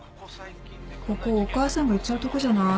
ここお母さんが行っちゃうとこじゃない？